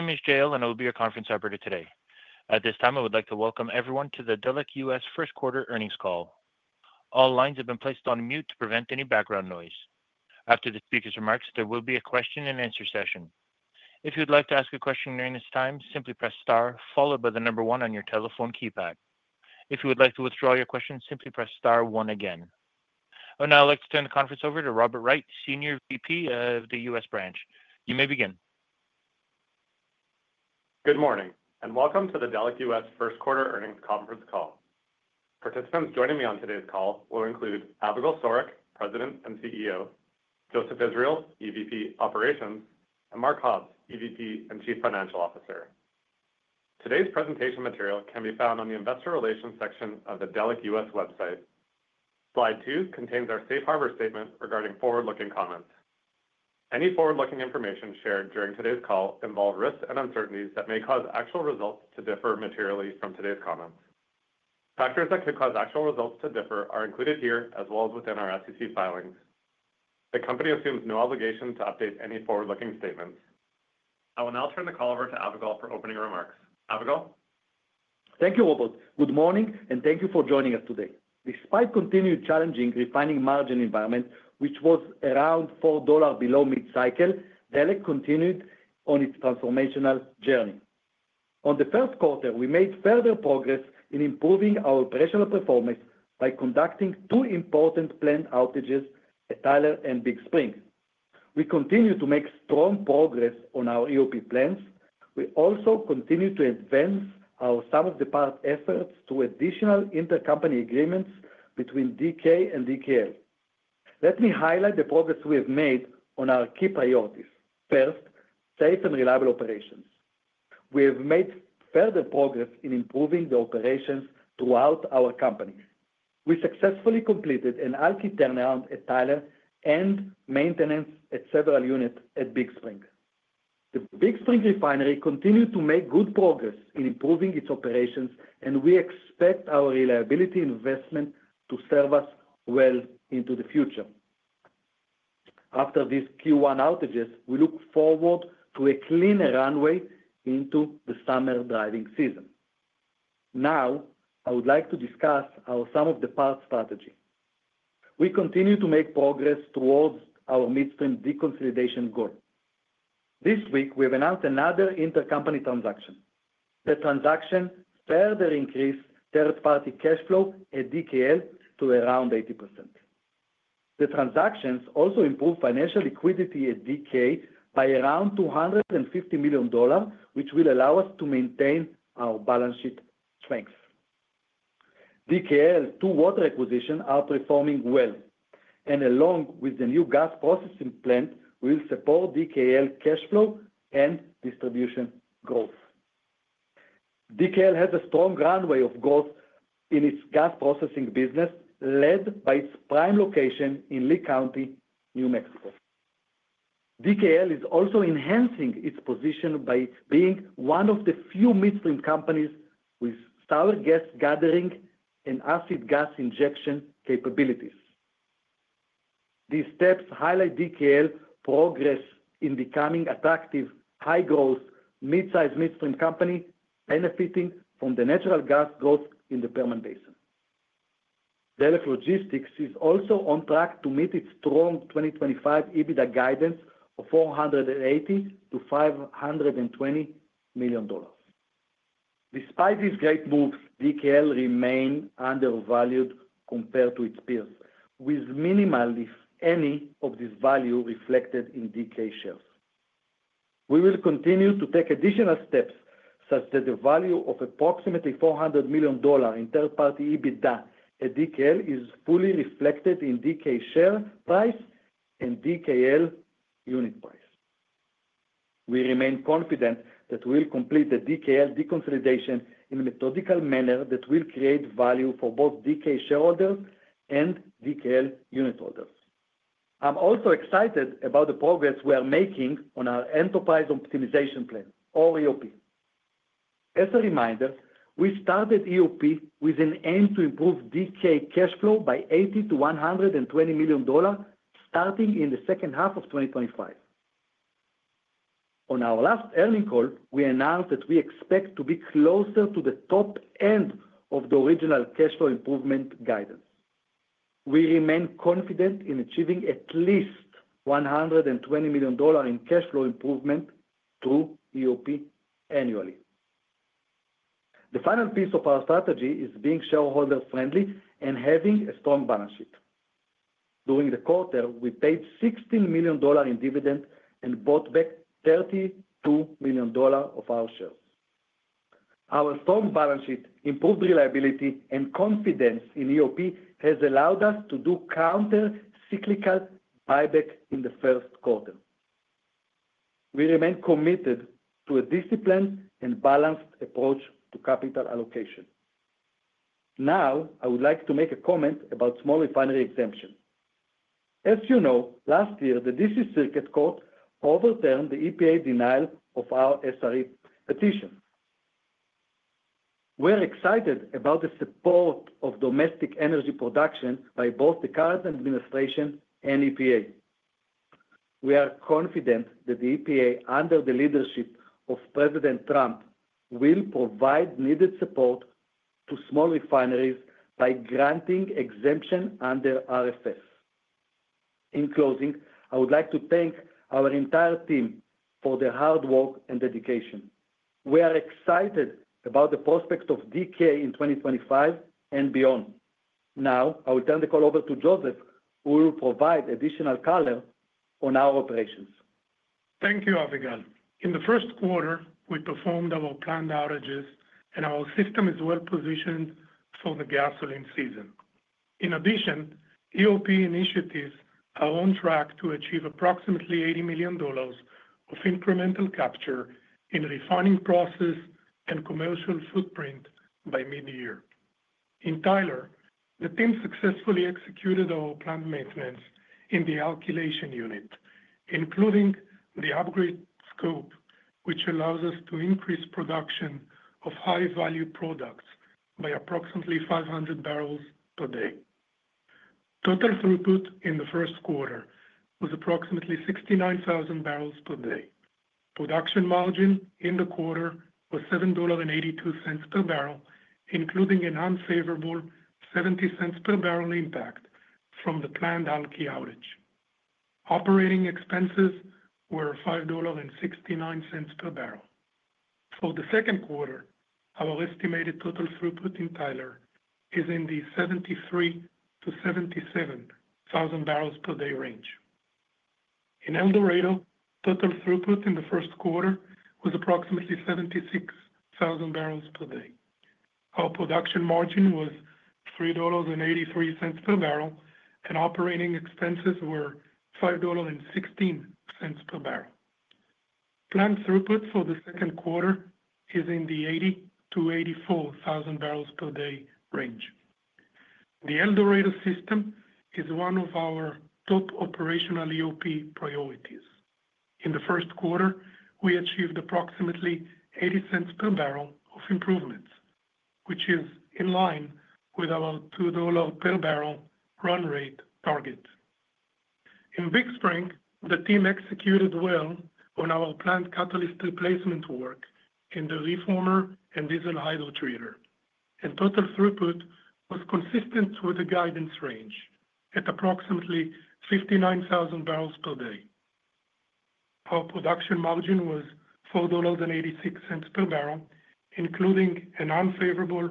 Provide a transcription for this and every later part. My name is Jay and I will be your conference operator today. At this time, I would like to welcome everyone to the Delek US First Quarter Earnings Call. All lines have been placed on mute to prevent any background noise. After the speaker's remarks, there will be a question-and-answer session. If you would like to ask a question during this time, simply press star, followed by the number one on your telephone keypad. If you would like to withdraw your question, simply press star one again. I would like to turn the conference over to Robert Wright, Senior VP of the U.S. Branch. You may begin. Good morning and welcome to the Delek US First Quarter Earnings Conference Call. Participants joining me on today's call will include Avigal Soreq, President and CEO; Joseph Israel, EVP Operations; and Mark Hobbs, EVP and Chief Financial Officer. Today's presentation material can be found on the Investor Relations section of the Delek US website. Slide two contains our Safe Harbor Statement regarding forward-looking comments. Any forward-looking information shared during today's call involves risks and uncertainties that may cause actual results to differ materially from today's comments. Factors that could cause actual results to differ are included here as well as within our SEC filings. The company assumes no obligation to update any forward-looking statements. I will now turn the call over to Avigal for opening remarks. Avigal? Thank you, Robert. Good morning and thank you for joining us today. Despite continued challenging refining margin environment, which was around $4 below mid-cycle, Delek continued on its transformational journey. On the first quarter, we made further progress in improving our operational performance by conducting two important planned outages at Tyler and Big Spring. We continue to make strong progress on our EOP plans. We also continue to advance our some-of-the-past efforts to additional intercompany agreements between DK and DKL. Let me highlight the progress we have made on our key priorities. First, safe and reliable operations. We have made further progress in improving the operations throughout our company. We successfully completed an ALKI turnaround at Tyler and maintenance at several units at Big Spring. The Big Spring refinery continued to make good progress in improving its operations, and we expect our reliability investment to serve us well into the future. After these Q1 outages, we look forward to a cleaner runway into the summer driving season. Now, I would like to discuss our some-of-the-past strategy. We continue to make progress towards our midstream deconsolidation goal. This week, we have announced another intercompany transaction. The transaction further increased third-party cash flow at DKL to around 80%. The transactions also improved financial liquidity at DK by around $250 million, which will allow us to maintain our balance sheet strength. DKL's two water acquisitions are performing well, and along with the new gas processing plant, we will support DKL cash flow and distribution growth. DKL has a strong runway of growth in its gas processing business, led by its prime location in Lea County, New Mexico. DKL is also enhancing its position by being one of the few midstream companies with sour gas gathering and acid gas injection capabilities. These steps highlight DKL's progress in becoming an attractive, high-growth, mid-size midstream company, benefiting from the natural gas growth in the Permian Basin. Delek Logistics is also on track to meet its strong 2025 EBITDA guidance of $480-$520 million. Despite these great moves, DKL remains undervalued compared to its peers, with minimal, if any, of this value reflected in DK shares. We will continue to take additional steps such that the value of approximately $400 million in third-party EBITDA at DKL is fully reflected in DK share price and DKL unit price. We remain confident that we will complete the DKL deconsolidation in a methodical manner that will create value for both DK shareholders and DKL unit holders. I'm also excited about the progress we are making on our enterprise optimization plan, or EOP. As a reminder, we started EOP with an aim to improve DK cash flow by $80 million-$120 million, starting in the second half of 2025. On our last earnings call, we announced that we expect to be closer to the top end of the original cash flow improvement guidance. We remain confident in achieving at least $120 million in cash flow improvement through EOP annually. The final piece of our strategy is being shareholder-friendly and having a strong balance sheet. During the quarter, we paid $16 million in dividend and bought back $32 million of our shares. Our strong balance sheet, improved reliability, and confidence in EOP have allowed us to do counter-cyclical buyback in the first quarter. We remain committed to a disciplined and balanced approach to capital allocation. Now, I would like to make a comment about small refinery exemptions. As you know, last year, the D.C. Circuit Court overturned the EPA denial of our SRE petition. We're excited about the support of domestic energy production by both the current administration and EPA. We are confident that the EPA, under the leadership of President Trump, will provide needed support to small refineries by granting exemption under RFS. In closing, I would like to thank our entire team for their hard work and dedication. We are excited about the prospects of DK in 2025 and beyond. Now, I will turn the call over to Joseph, who will provide additional color on our operations. Thank you, Avigal. In the first quarter, we performed our planned outages, and our system is well-positioned for the gasoline season. In addition, EOP initiatives are on track to achieve approximately $80 million of incremental capture in refining process and commercial footprint by mid-year. In Tyler, the team successfully executed our planned maintenance in the alkylation unit, including the upgrade scope, which allows us to increase production of high-value products by approximately 500 barrels per day. Total throughput in the first quarter was approximately 69,000 barrels per day. Production margin in the quarter was $7.82 per barrel, including an unfavorable $0.70 per barrel impact from the planned ALKI outage. Operating expenses were $5.69 per barrel. For the second quarter, our estimated total throughput in Tyler is in the 73,000-77,000 barrels per day range. In El Dorado, total throughput in the first quarter was approximately 76,000 barrels per day. Our production margin was $3.83 per barrel, and operating expenses were $5.16 per barrel. Planned throughput for the second quarter is in the 80,000-84,000 barrels per day range. The El Dorado system is one of our top operational EOP priorities. In the first quarter, we achieved approximately $0.80 per barrel of improvements, which is in line with our $2 per barrel run rate target. In Big Spring, the team executed well on our planned catalyst replacement work in the reformer and diesel hydrotreater, and total throughput was consistent with the guidance range at approximately 59,000 barrels per day. Our production margin was $4.86 per barrel, including an unfavorable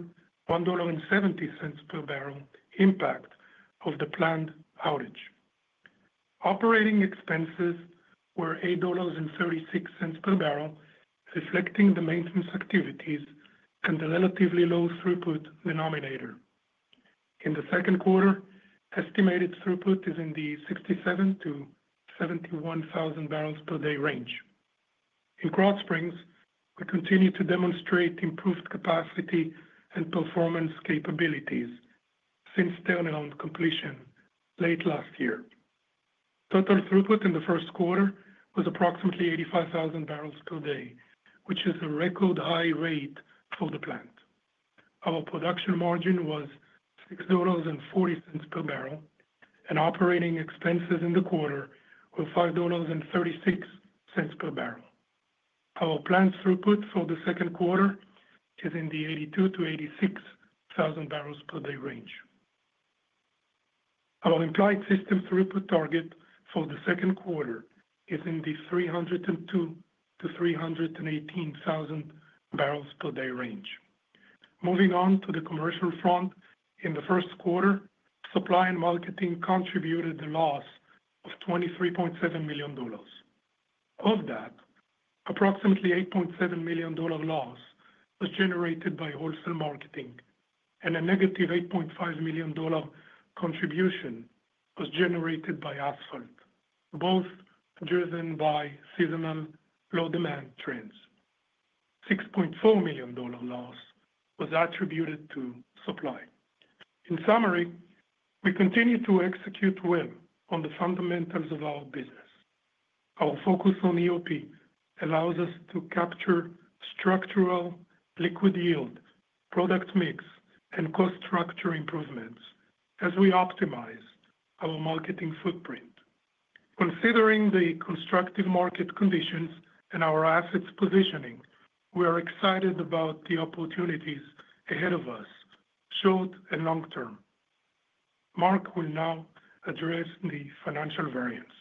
$1.70 per barrel impact of the planned outage. Operating expenses were $8.36 per barrel, reflecting the maintenance activities and the relatively low throughput denominator. In the second quarter, estimated throughput is in the 67,000-71,000 barrels per day range. In Krotz Springs, we continue to demonstrate improved capacity and performance capabilities since turnaround completion late last year. Total throughput in the first quarter was approximately 85,000 barrels per day, which is a record high rate for the plant. Our production margin was $6.40 per barrel, and operating expenses in the quarter were $5.36 per barrel. Our planned throughput for the second quarter is in the 82-86 thousand barrels per day range. Our implied system throughput target for the second quarter is in the 302,000-318,000 barrels per day range. Moving on to the commercial front, in the first quarter, supply and marketing contributed a loss of $23.7 million. Of that, approximately $8.7 million loss was generated by wholesale marketing, and a negative $8.5 million contribution was generated by asphalt, both driven by seasonal low-demand trends. $6.4 million loss was attributed to supply. In summary, we continue to execute well on the fundamentals of our business. Our focus on EOP allows us to capture structural liquid yield, product mix, and cost structure improvements as we optimize our marketing footprint. Considering the constructive market conditions and our assets positioning, we are excited about the opportunities ahead of us, short and long term. Mark will now address the financial variance.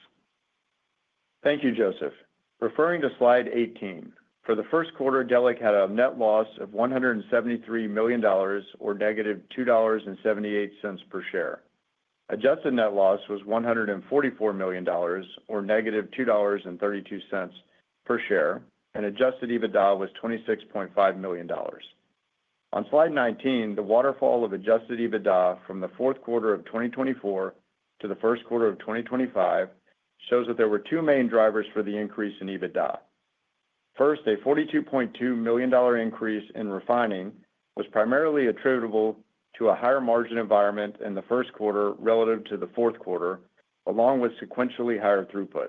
Thank you, Joseph. Referring to slide 18, for the first quarter, Delek had a net loss of $173 million, or negative $2.78 per share. Adjusted net loss was $144 million, or negative $2.32 per share, and adjusted EBITDA was $26.5 million. On slide 19, the waterfall of adjusted EBITDA from the fourth quarter of 2024 to the first quarter of 2025 shows that there were two main drivers for the increase in EBITDA. First, a $42.2 million increase in refining was primarily attributable to a higher margin environment in the first quarter relative to the fourth quarter, along with sequentially higher throughputs.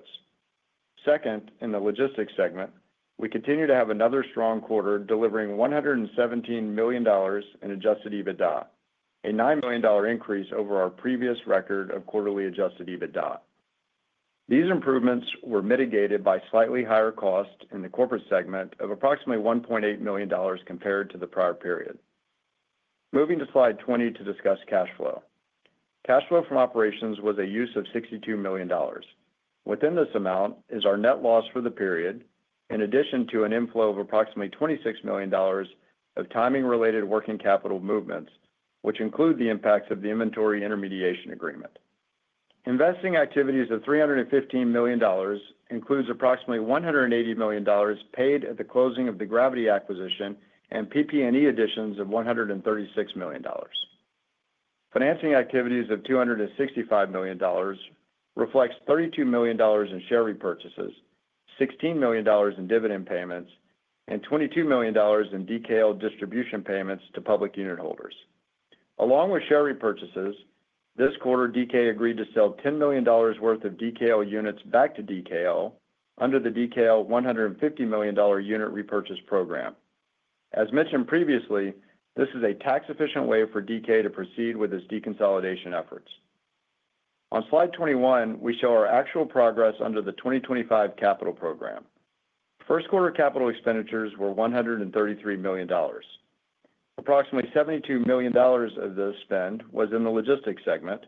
Second, in the logistics segment, we continue to have another strong quarter delivering $117 million in adjusted EBITDA, a $9 million increase over our previous record of quarterly adjusted EBITDA. These improvements were mitigated by slightly higher costs in the corporate segment of approximately $1.8 million compared to the prior period. Moving to slide 20 to discuss cash flow. Cash flow from operations was a use of $62 million. Within this amount is our net loss for the period, in addition to an inflow of approximately $26 million of timing-related working capital movements, which include the impacts of the inventory intermediation agreement. Investing activities of $315 million includes approximately $180 million paid at the closing of the Gravity acquisition and PP&E additions of $136 million. Financing activities of $265 million reflects $32 million in share repurchases, $16 million in dividend payments, and $22 million in DKL distribution payments to public unit holders. Along with share repurchases, this quarter, DK agreed to sell $10 million worth of DKL units back to DKL under the DKL $150 million unit repurchase program. As mentioned previously, this is a tax-efficient way for DK to proceed with its deconsolidation efforts. On slide 21, we show our actual progress under the 2025 capital program. First quarter capital expenditures were $133 million. Approximately $72 million of the spend was in the logistics segment,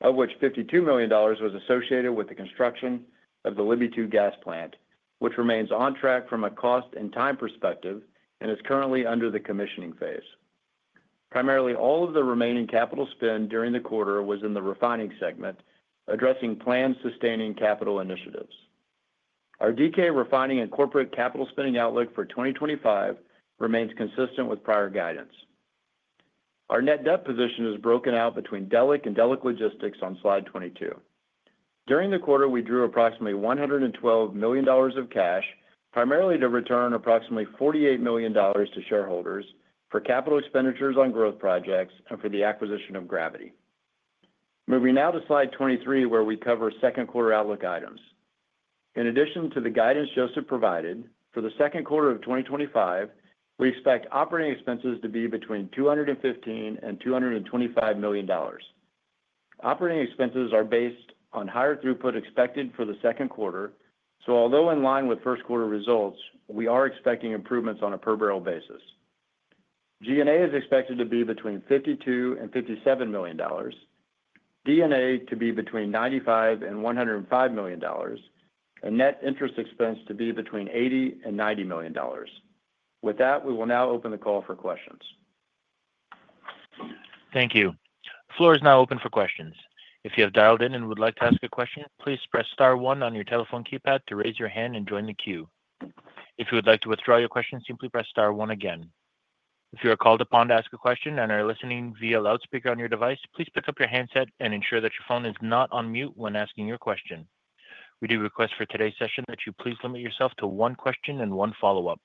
of which $52 million was associated with the construction of the Libbey 2 gas plant, which remains on track from a cost and time perspective and is currently under the commissioning phase. Primarily, all of the remaining capital spend during the quarter was in the refining segment, addressing planned sustaining capital initiatives. Our DK refining and corporate capital spending outlook for 2025 remains consistent with prior guidance. Our net debt position is broken out between Delek and Delek Logistics on slide 22. During the quarter, we drew approximately $112 million of cash, primarily to return approximately $48 million to shareholders for capital expenditures on growth projects and for the acquisition of Gravity. Moving now to slide 23, where we cover second quarter outlook items. In addition to the guidance Joseph provided, for the second quarter of 2025, we expect operating expenses to be between $215 million and $225 million. Operating expenses are based on higher throughput expected for the second quarter, so although in line with first quarter results, we are expecting improvements on a per barrel basis. G&A is expected to be between $52 million and $57 million, D&A to be between $95 million and $105 million, and net interest expense to be between $80 million and $90 million. With that, we will now open the call for questions. Thank you. The floor is now open for questions. If you have dialed in and would like to ask a question, please press star one on your telephone keypad to raise your hand and join the queue. If you would like to withdraw your question, simply press star one again. If you are called upon to ask a question and are listening via loudspeaker on your device, please pick up your handset and ensure that your phone is not on mute when asking your question. We do request for today's session that you please limit yourself to one question and one follow-up.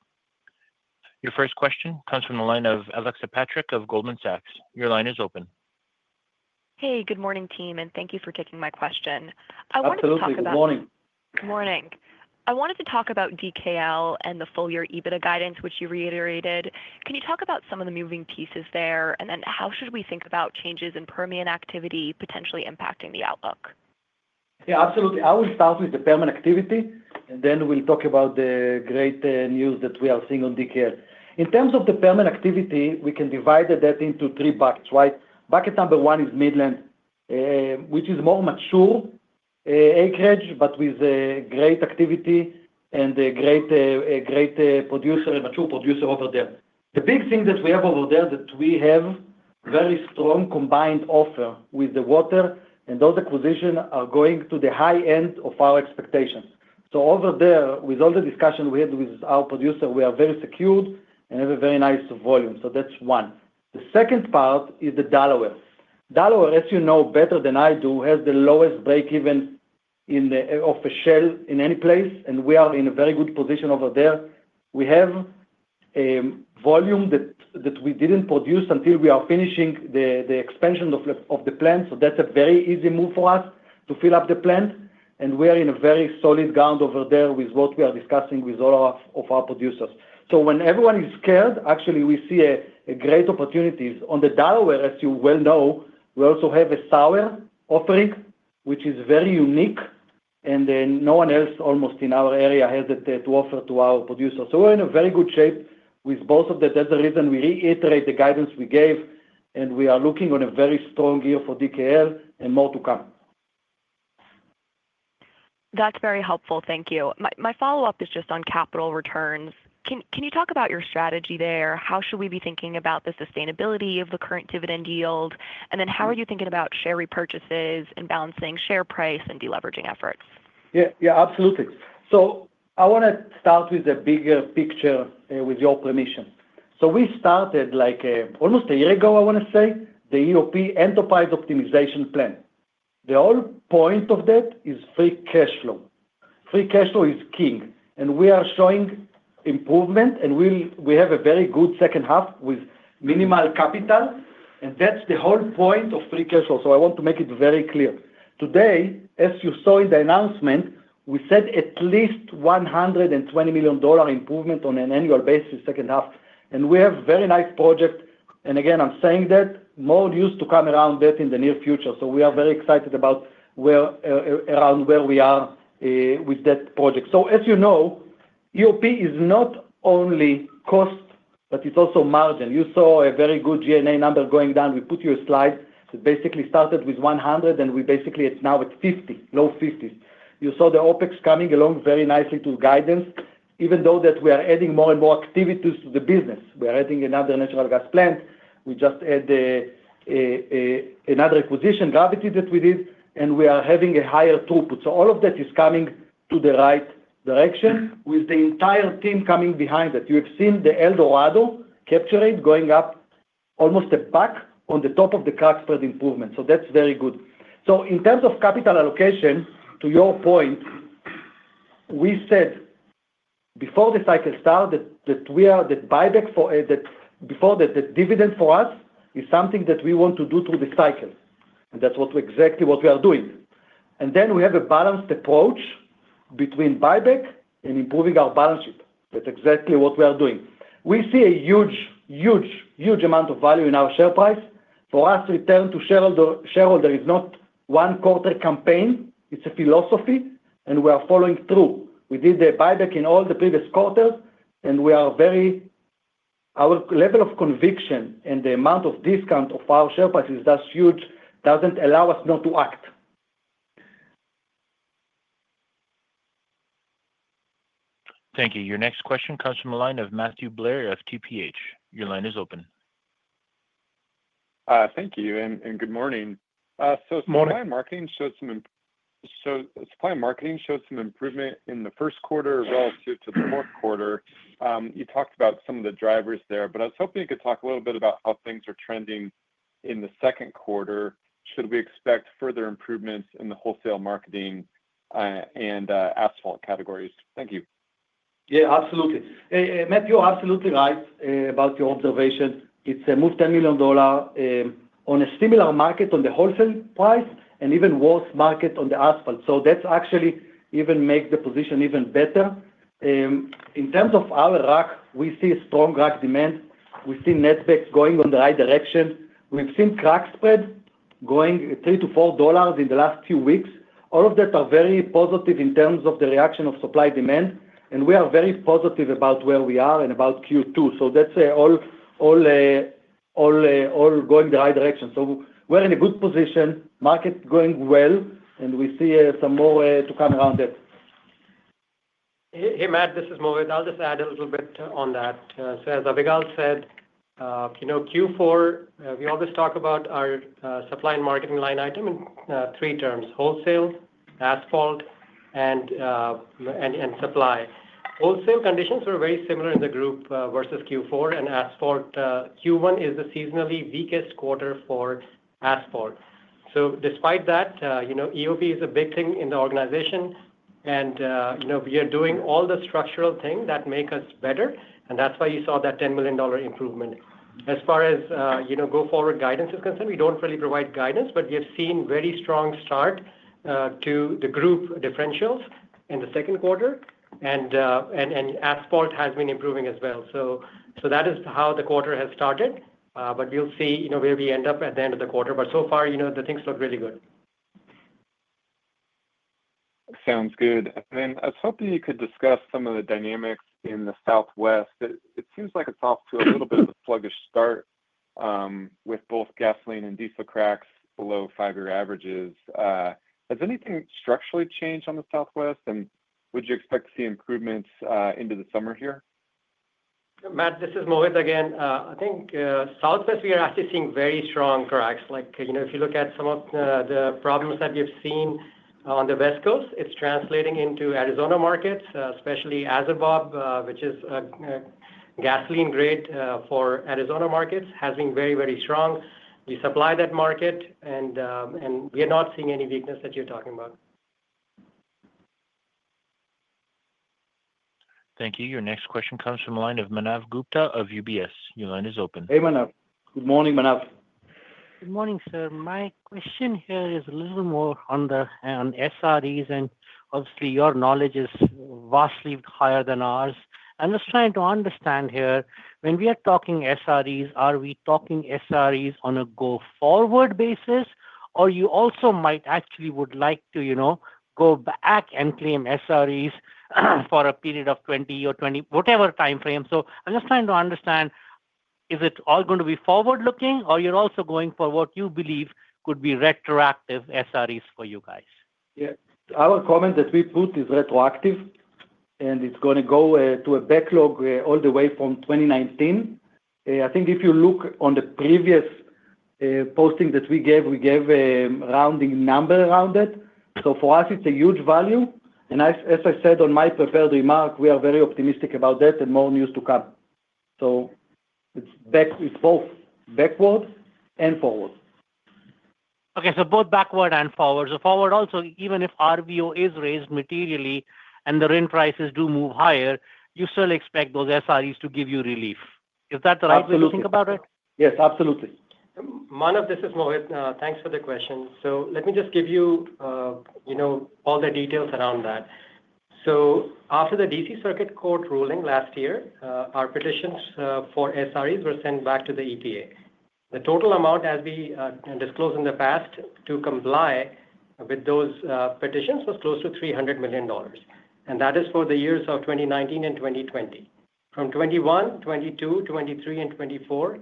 Your first question comes from the line of Alexis Patrick of Goldman Sachs. Your line is open. Hey, good morning, team, and thank you for taking my question. I wanted to talk about. Absolutely. Good morning. Good morning. I wanted to talk about DKL and the full year EBITDA guidance, which you reiterated. Can you talk about some of the moving pieces there, and then how should we think about changes in Permian activity potentially impacting the outlook? Yeah, absolutely. I will start with the Permian activity, and then we'll talk about the great news that we are seeing on DKL. In terms of the Permian activity, we can divide that into three buckets, right? Bucket number one is Midland, which is more mature acreage, but with great activity and a great producer, a mature producer over there. The big thing that we have over there is that we have a very strong combined offer with the water, and those acquisitions are going to the high end of our expectations. Over there, with all the discussion we had with our producer, we are very secured and have a very nice volume. That's one. The second part is the Delaware. Delaware, as you know better than I do, has the lowest break-even of a shell in any place, and we are in a very good position over there. We have volume that we did not produce until we are finishing the expansion of the plant, so that is a very easy move for us to fill up the plant, and we are on very solid ground over there with what we are discussing with all of our producers. When everyone is scared, actually, we see great opportunities. On the Delaware, as you well know, we also have a sour offering, which is very unique, and no one else almost in our area has that to offer to our producers. We are in very good shape with both of that. That's the reason we reiterate the guidance we gave, and we are looking on a very strong year for DKL and more to come. That's very helpful. Thank you. My follow-up is just on capital returns. Can you talk about your strategy there? How should we be thinking about the sustainability of the current dividend yield, and then how are you thinking about share repurchases and balancing share price and deleveraging efforts? Yeah, yeah, absolutely. I want to start with the bigger picture with your permission. We started almost a year ago, I want to say, the EOP enterprise optimization plan. The whole point of that is free cash flow. Free cash flow is king, and we are showing improvement, and we have a very good second half with minimal capital, and that's the whole point of free cash flow. I want to make it very clear. Today, as you saw in the announcement, we said at least $120 million improvement on an annual basis second half, and we have a very nice project. Again, I'm saying that more news to come around that in the near future, we are very excited around where we are with that project. As you know, EOP is not only cost, but it's also margin. You saw a very good G&A number going down. We put you a slide that basically started with 100, and we basically, it's now at 50, low 50s. You saw the OPEX coming along very nicely to guidance, even though we are adding more and more activities to the business. We are adding another natural gas plant. We just added another acquisition, Gravity, that we did, and we are having a higher throughput. All of that is coming to the right direction with the entire team coming behind that. You have seen the El Dorado capture rate going up almost a pack on the top of the Krotz Springs improvement, so that's very good. In terms of capital allocation, to your point, we said before the cycle started that buyback, before that, dividend for us is something that we want to do through the cycle, and that is exactly what we are doing. We have a balanced approach between buyback and improving our balance sheet. That is exactly what we are doing. We see a huge, huge, huge amount of value in our share price. For us, return to shareholder is not one quarter campaign. It is a philosophy, and we are following through. We did the buyback in all the previous quarters, and we are very, our level of conviction and the amount of discount of our share price is just huge, does not allow us not to act. Thank you. Your next question comes from the line of Matthew Blair of TPH. Your line is open. Thank you, and good morning. Supply and marketing showed some improvement in the first quarter relative to the fourth quarter. You talked about some of the drivers there, but I was hoping you could talk a little bit about how things are trending in the second quarter. Should we expect further improvements in the wholesale marketing and asphalt categories? Thank you. Yeah, absolutely. Matthew, absolutely right about your observation. It's a move $10 million on a similar market on the wholesale price and even worse market on the asphalt. That actually even makes the position even better. In terms of our rack, we see strong rack demand. We've seen NetBeck going in the right direction. We've seen Krotz Springs going $3-$4 in the last few weeks. All of that are very positive in terms of the reaction of supply demand, and we are very positive about where we are and about Q2. That's all going in the right direction. We're in a good position, market going well, and we see some more to come around that. Hey, Matt, this is Mohit. I'll just add a little bit on that. As Avigal said, Q4, we always talk about our supply and marketing line item in three terms: wholesale, asphalt, and supply. Wholesale conditions were very similar in the group versus Q4 and asphalt. Q1 is the seasonally weakest quarter for asphalt. Despite that, EOP is a big thing in the organization, and we are doing all the structural things that make us better, and that's why you saw that $10 million improvement. As far as go forward guidance is concerned, we do not really provide guidance, but we have seen a very strong start to the group differentials in the second quarter, and asphalt has been improving as well. That is how the quarter has started, but we will see where we end up at the end of the quarter. The things look really good so far. Sounds good. I was hoping you could discuss some of the dynamics in the Southwest. It seems like it's off to a little bit of a sluggish start with both gasoline and diesel cracks below five-year averages. Has anything structurally changed on the Southwest, and would you expect to see improvements into the summer here? Matt, this is Mohit again. I think Southwest, we are actually seeing very strong cracks. If you look at some of the problems that we have seen on the West Coast, it's translating into Arizona markets, especially AZRBOB, which is a gasoline grade for Arizona markets, has been very, very strong. We supply that market, and we are not seeing any weakness that you're talking about. Thank you. Your next question comes from the line of Manav Gupta of UBS. Your line is open. Hey, Manav. Good morning, Manav. Good morning, sir. My question here is a little more on the SREs, and obviously, your knowledge is vastly higher than ours. I'm just trying to understand here, when we are talking SREs, are we talking SREs on a go forward basis, or you also might actually would like to go back and claim SREs for a period of 2020 or 2020 whatever time frame? I'm just trying to understand, is it all going to be forward-looking, or you're also going for what you believe could be retroactive SREs for you guys? Yeah, our comment that we put is retroactive, and it's going to go to a backlog all the way from 2019. I think if you look on the previous posting that we gave, we gave a rounding number around it. For us, it's a huge value. As I said on my prepared remark, we are very optimistic about that and more news to come. It's both backward and forward. Okay, so both backward and forward. Forward also, even if RVO is raised materially and the rent prices do move higher, you still expect those SREs to give you relief. Is that the right way to think about it? Yes, absolutely. Manav, this is Mohit. Thanks for the question. Let me just give you all the details around that. After the DC Circuit Court ruling last year, our petitions for SREs were sent back to the EPA. The total amount, as we disclosed in the past, to comply with those petitions was close to $300 million, and that is for the years of 2019 and 2020. From 2021, 2022, 2023, and 2024,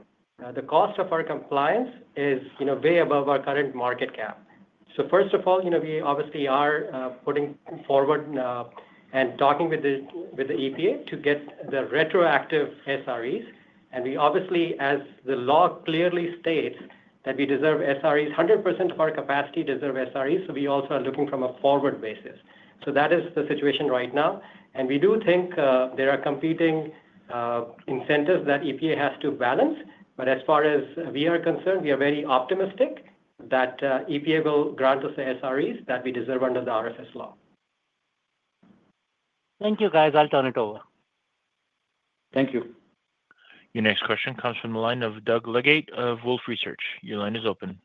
the cost of our compliance is way above our current market cap. First of all, we obviously are putting forward and talking with the EPA to get the retroactive SREs, and we obviously, as the law clearly states, that we deserve SREs. 100% of our capacity deserves SREs, so we also are looking from a forward basis. That is the situation right now, and we do think there are competing incentives that EPA has to balance, but as far as we are concerned, we are very optimistic that EPA will grant us the SREs that we deserve under the RFS law. Thank you, guys. I'll turn it over. Thank you. Your next question comes from the line of Doug Legate of Wolfe Research. Your line is open.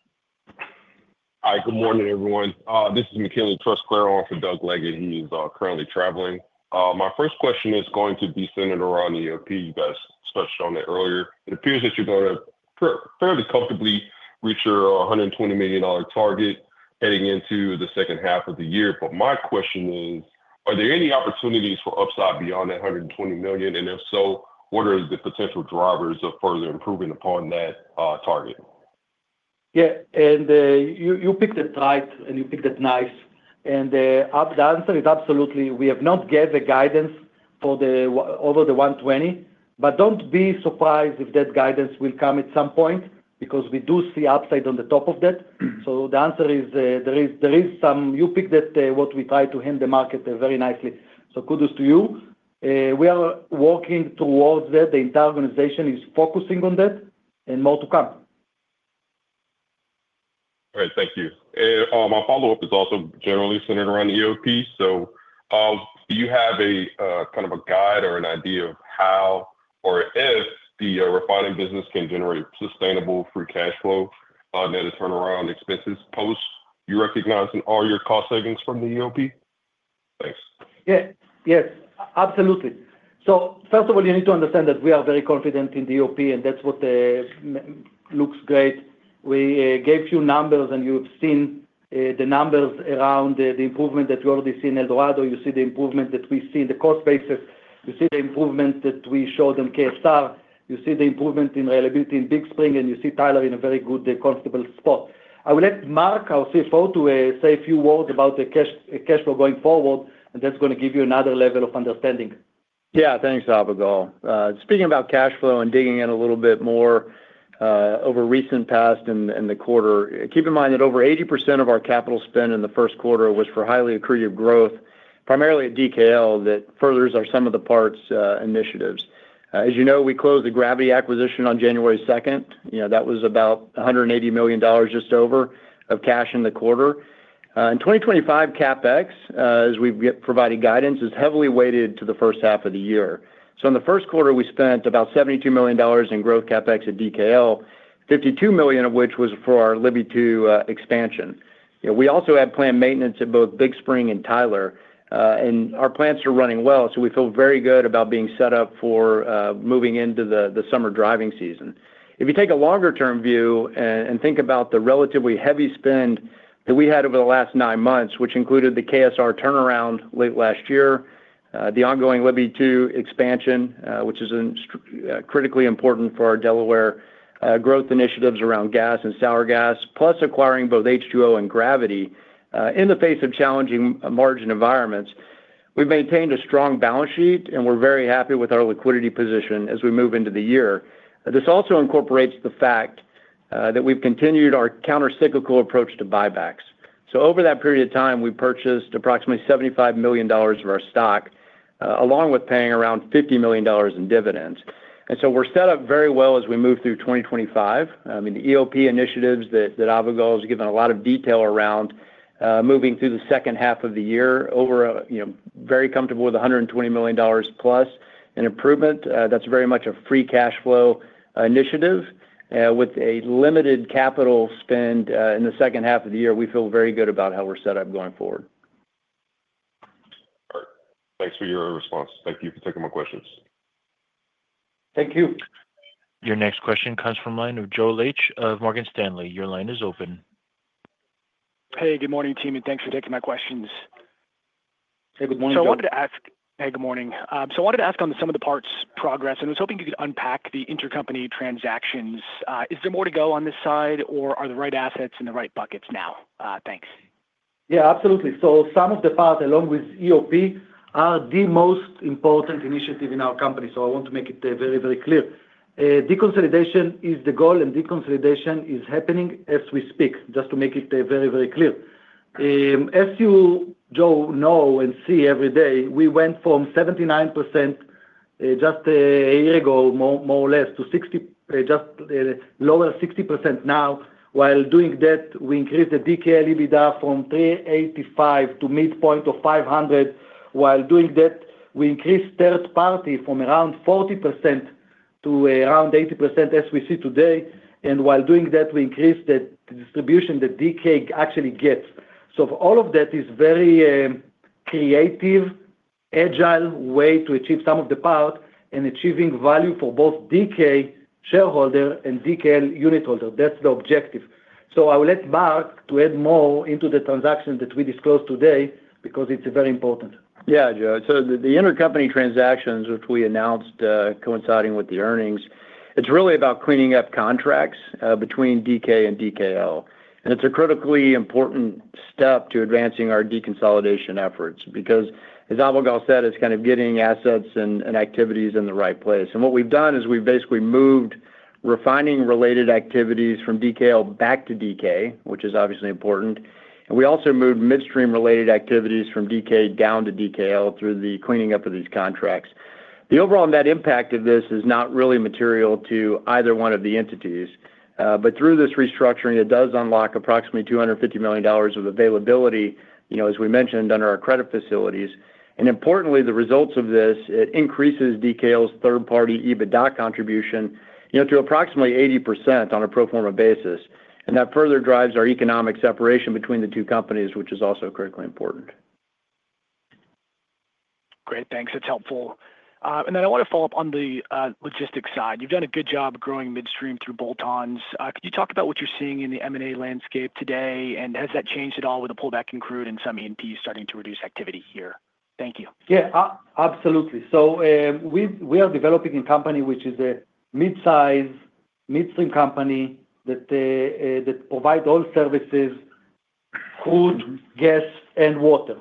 Hi, good morning, everyone. This is McKinley for Doug Legate. He is currently traveling. My first question is going to be centered around the EOP. You guys touched on it earlier. It appears that you're going to fairly comfortably reach your $120 million target heading into the second half of the year, but my question is, are there any opportunities for upside beyond that $120 million, and if so, what are the potential drivers of further improving upon that target? Yeah, you picked it right, you picked it nice. The answer is absolutely, we have not gathered guidance over the 120, but do not be surprised if that guidance will come at some point because we do see upside on the top of that. The answer is there is some, you picked it, what we try to hand the market very nicely. Kudos to you. We are working towards that. The entire organization is focusing on that and more to come. Great, thank you. My follow-up is also generally centered around the EOP. Do you have a kind of a guide or an idea of how or if the refining business can generate sustainable free cash flow on that turnaround expenses post? You recognize in all your cost savings from the EOP? Thanks. Yeah, yes, absolutely. First of all, you need to understand that we are very confident in the EOP, and that is what looks great. We gave you numbers, and you have seen the numbers around the improvement that you already see in El Dorado. You see the improvement that we see in the cost basis. You see the improvement that we showed in Krotz Springs. You see the improvement in reliability in Big Spring, and you see Tyler in a very good, comfortable spot. I will let Mark, our CFO, say a few words about the cash flow going forward, and that is going to give you another level of understanding. Yeah, thanks, Avigal. Speaking about cash flow and digging in a little bit more over recent past and the quarter, keep in mind that over 80% of our capital spend in the first quarter was for highly accretive growth, primarily at DKL, that furthers our sum of the parts initiatives. As you know, we closed the Gravity acquisition on January 2. That was about $180 million just over of cash in the quarter. In 2025, CapEx, as we've provided guidance, is heavily weighted to the first half of the year. In the first quarter, we spent about $72 million in growth CapEx at DKL, $52 million of which was for our Libbey 2 expansion. We also had planned maintenance at both Big Spring and Tyler, and our plants are running well, so we feel very good about being set up for moving into the summer driving season. If you take a longer-term view and think about the relatively heavy spend that we had over the last nine months, which included the KSR turnaround late last year, the ongoing Libbey 2 expansion, which is critically important for our Delaware growth initiatives around gas and sour gas, plus acquiring both H2O and Gravity in the face of challenging margin environments, we've maintained a strong balance sheet, and we're very happy with our liquidity position as we move into the year. This also incorporates the fact that we've continued our countercyclical approach to buybacks. Over that period of time, we purchased approximately $75 million of our stock along with paying around $50 million in dividends. We are set up very well as we move through 2025. I mean, the EOP initiatives that Avigal has given a lot of detail around moving through the second half of the year, we're very comfortable with $120 million plus in improvement. That's very much a free cash flow initiative. With a limited capital spend in the second half of the year, we feel very good about how we're set up going forward. All right. Thanks for your response. Thank you for taking my questions. Thank you. Your next question comes from the line of Joe Laetsch of Morgan Stanley. Your line is open. Hey, good morning, team, and thanks for taking my questions. Hey, good morning, team. Good morning. I wanted to ask on some of the parts progress, and I was hoping you could unpack the intercompany transactions. Is there more to go on this side, or are the right assets in the right buckets now? Thanks. Yeah, absolutely. Some of the parts, along with EOP, are the most important initiative in our company. I want to make it very, very clear. Deconsolidation is the goal, and deconsolidation is happening as we speak, just to make it very, very clear. As you, Joe, know and see every day, we went from 79% just a year ago, more or less, to just lower 60% now. While doing that, we increased the DKL EBITDA from $385 million to midpoint of $500 million. While doing that, we increased third party from around 40% to around 80% as we see today. While doing that, we increased the distribution that DK actually gets. All of that is a very creative, agile way to achieve some of the part and achieving value for both DK shareholder and DKL unit holder. That is the objective. I will let Mark add more into the transaction that we disclosed today because it's very important. Yeah, Joe. The intercompany transactions, which we announced coinciding with the earnings, it's really about cleaning up contracts between DK and DKL. It's a critically important step to advancing our deconsolidation efforts because, as Avigal said, it's kind of getting assets and activities in the right place. What we've done is we've basically moved refining-related activities from DKL back to DK, which is obviously important. We also moved midstream-related activities from DK down to DKL through the cleaning up of these contracts. The overall net impact of this is not really material to either one of the entities, but through this restructuring, it does unlock approximately $250 million of availability, as we mentioned, under our credit facilities. Importantly, the results of this increase DKL's third-party EBITDA contribution to approximately 80% on a pro forma basis. That further drives our economic separation between the two companies, which is also critically important. Great, thanks. It's helpful. I want to follow up on the logistics side. You've done a good job growing midstream through bolt-ons. Could you talk about what you're seeing in the M&A landscape today, and has that changed at all with the pullback in crude and some E&P starting to reduce activity here? Thank you. Yeah, absolutely. We are developing a company which is a mid-size, midstream company that provides all services: crude, gas, and water.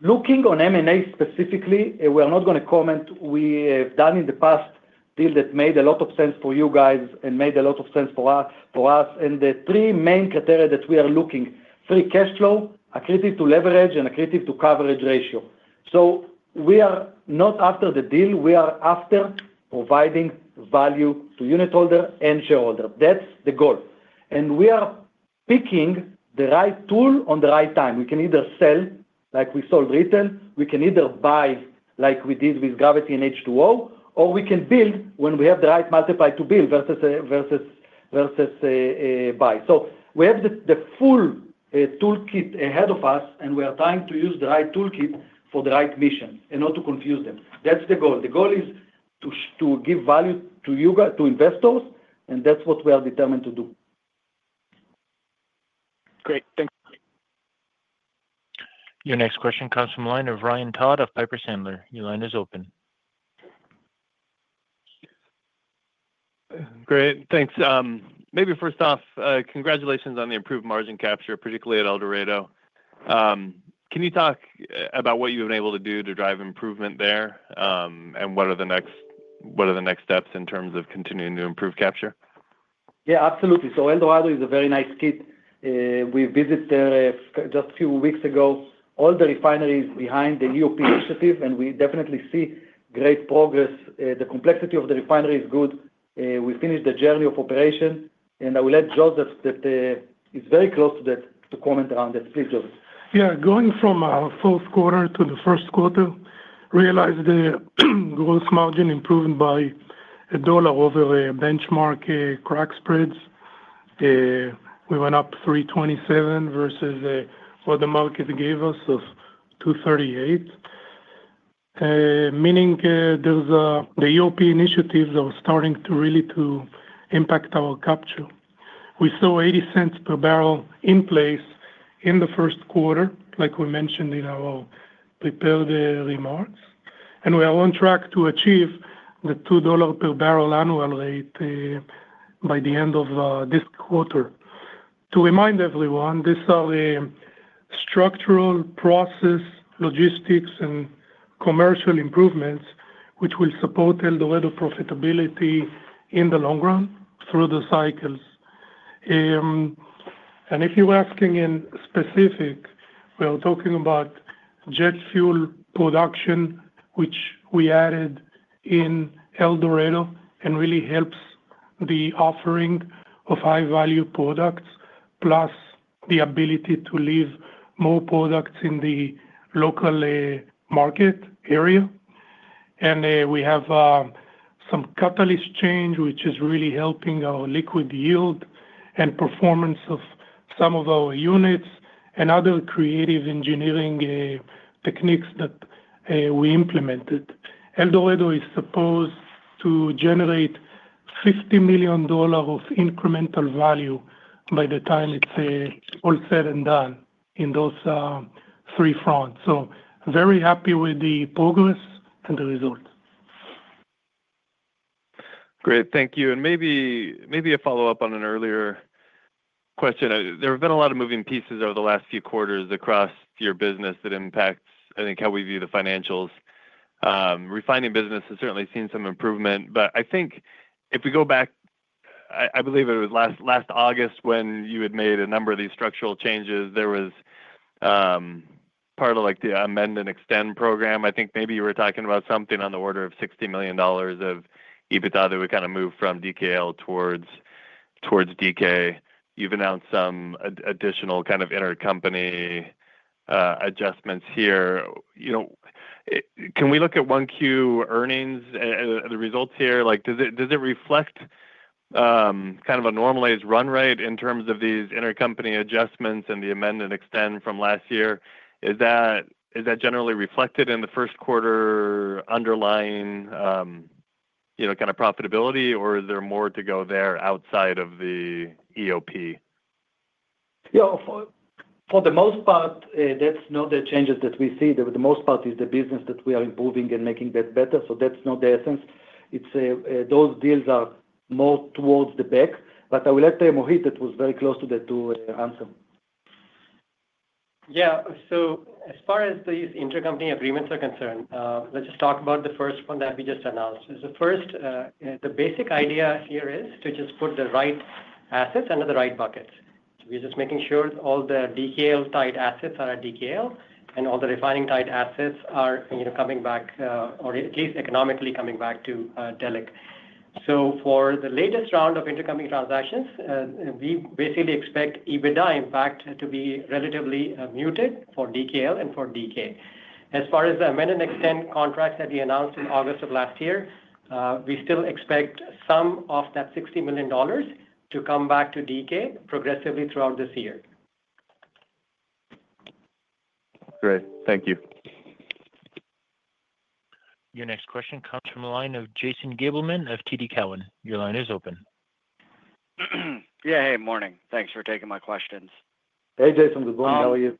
Looking on M&A specifically, we are not going to comment. We have done in the past deal that made a lot of sense for you guys and made a lot of sense for us. The three main criteria that we are looking: free cash flow, accretive to leverage, and accretive to coverage ratio. We are not after the deal. We are after providing value to unit holder and shareholder. That is the goal. We are picking the right tool at the right time. We can either sell like we sold retail. We can either buy like we did with Gravity and H2O, or we can build when we have the right multiply to build versus buy. We have the full toolkit ahead of us, and we are trying to use the right toolkit for the right mission and not to confuse them. That is the goal. The goal is to give value to investors, and that is what we are determined to do. Great, thanks. Your next question comes from the line of Ryan Todd of Piper Sandler. Your line is open. Great, thanks. Maybe first off, congratulations on the improved margin capture, particularly at El Dorado. Can you talk about what you've been able to do to drive improvement there, and what are the next steps in terms of continuing to improve capture? Yeah, absolutely. El Dorado is a very nice kit. We visited there just a few weeks ago, all the refineries behind the EOP initiative, and we definitely see great progress. The complexity of the refinery is good. We finished the journey of operation, and I will let Joseph, that is very close to that, comment around that. Please, Joseph. Yeah, going from our fourth quarter to the first quarter, realized the gross margin improved by $1 over a benchmark crack spreads. We went up $3.27 versus what the market gave us of $2.38, meaning the EOP initiatives are starting to really impact our capture. We saw $0.80 per barrel in place in the first quarter, like we mentioned in our prepared remarks, and we are on track to achieve the $2 per barrel annual rate by the end of this quarter. To remind everyone, these are structural process logistics and commercial improvements which will support El Dorado profitability in the long run through the cycles. If you're asking in specific, we are talking about jet fuel production, which we added in El Dorado and really helps the offering of high-value products, plus the ability to leave more products in the local market area. We have some catalyst change, which is really helping our liquid yield and performance of some of our units and other creative engineering techniques that we implemented. El Dorado is supposed to generate $50 million of incremental value by the time it is all said and done in those three fronts. Very happy with the progress and the results. Great, thank you. Maybe a follow-up on an earlier question. There have been a lot of moving pieces over the last few quarters across your business that impact, I think, how we view the financials. Refining business has certainly seen some improvement, but I think if we go back, I believe it was last August when you had made a number of these structural changes. There was part of the Amend and Extend program. I think maybe you were talking about something on the order of $60 million of EBITDA that would kind of move from DKL towards DK. You've announced some additional kind of intercompany adjustments here. Can we look at Q1 earnings, the results here? Does it reflect kind of a normalized run rate in terms of these intercompany adjustments and the Amend and Extend from last year? Is that generally reflected in the first quarter underlying kind of profitability, or is there more to go there outside of the EOP? Yeah, for the most part, that's not the changes that we see. For the most part, it's the business that we are improving and making that better. That's not the essence. Those deals are more towards the back. I will let Mohit, that was very close to that, answer. Yeah, so as far as these intercompany agreements are concerned, let's just talk about the first one that we just announced. The basic idea here is to just put the right assets under the right buckets. We're just making sure all the DKL-tied assets are at DKL, and all the refining-tied assets are coming back, or at least economically coming back to Delek. For the latest round of intercompany transactions, we basically expect EBITDA impact to be relatively muted for DKL and for DK. As far as the Amend and Extend contracts that we announced in August of last year, we still expect some of that $60 million to come back to DK progressively throughout this year. Great, thank you. Your next question comes from the line of Jason Gabelman of TD Cowen. Your line is open. Yeah, hey, morning. Thanks for taking my questions. Hey, Jason, good morning. How are you?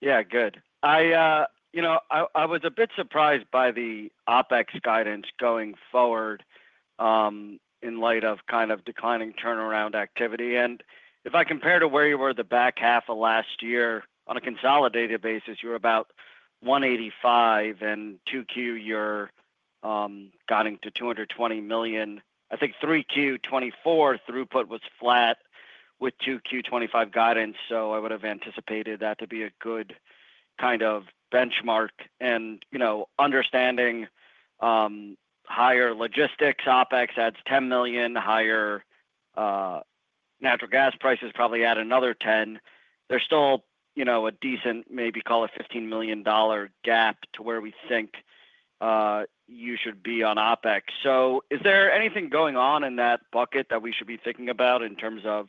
Yeah, good. I was a bit surprised by the OPEX guidance going forward in light of kind of declining turnaround activity. If I compare to where you were the back half of last year on a consolidated basis, you were about $185 million, and 2Q, you're guiding to $220 million. I think 3Q 2024 throughput was flat with 2Q 2025 guidance, so I would have anticipated that to be a good kind of benchmark. Understanding higher logistics OPEX adds $10 million, higher natural gas prices probably add another $10 million. There's still a decent, maybe call it $15 million gap to where we think you should be on OPEX. Is there anything going on in that bucket that we should be thinking about in terms of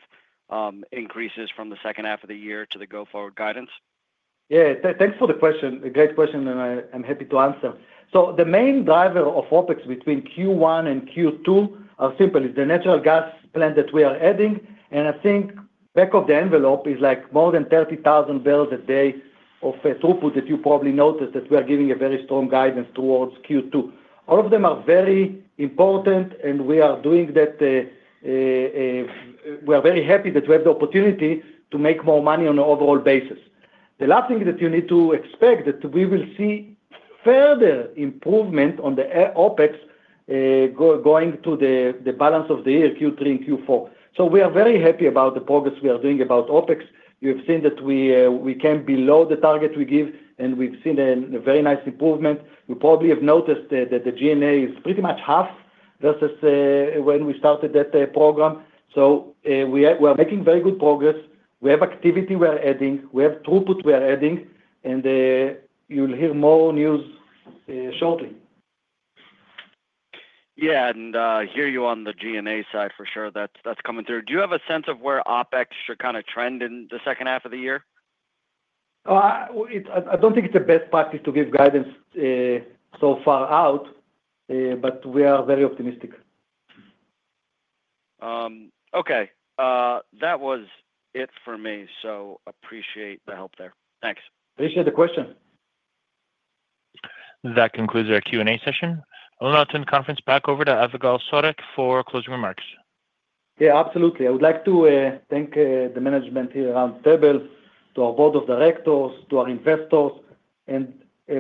increases from the second half of the year to the go-forward guidance? Yeah, thanks for the question. A great question, and I'm happy to answer. The main driver of OPEX between Q1 and Q2 are simple. It's the natural gas plant that we are adding. I think back of the envelope is like more than 30,000 barrels a day of throughput that you probably noticed that we are giving a very strong guidance towards Q2. All of them are very important, and we are doing that. We are very happy that we have the opportunity to make more money on an overall basis. The last thing that you need to expect is that we will see further improvement on the OPEX going to the balance of the year, Q3 and Q4. We are very happy about the progress we are doing about OPEX. You have seen that we came below the target we gave, and we've seen a very nice improvement. You probably have noticed that the G&A is pretty much half versus when we started that program. We are making very good progress. We have activity we are adding. We have throughput we are adding, and you'll hear more news shortly. Yeah, and I hear you on the G&A side for sure. That's coming through. Do you have a sense of where OPEX should kind of trend in the second half of the year? I don't think it's the best practice to give guidance so far out, but we are very optimistic. Okay, that was it for me. I appreciate the help there. Thanks. Appreciate the question. That concludes our Q&A session. I'll now turn the conference back over to Avigal Soreq for closing remarks. Yeah, absolutely. I would like to thank the management here around the table, to our board of directors, to our investors, and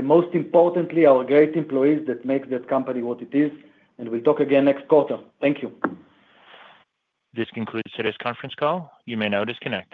most importantly, our great employees that make this company what it is. We will talk again next quarter. Thank you. This concludes today's conference call. You may now disconnect.